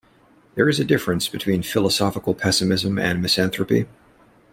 There is a difference between philosophical pessimism and misanthropy.